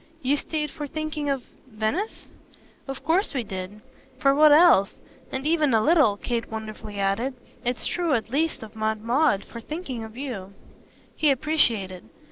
"You stayed for thinking of Venice?" "Of course we did. For what else? And even a little," Kate wonderfully added "it's true at least of Aunt Maud for thinking of you." He appreciated.